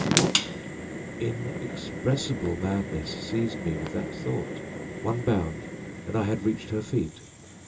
_ What inexpressible madness seized me with that thought? One bound, and I had reached her feet!